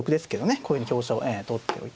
こういうふうに香車を取っておいて。